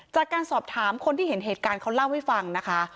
จากการสอบถามคนที่เห็นเหตุการณ์เขาเล่าให้ฟังนะคะ